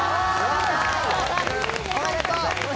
おめでとう。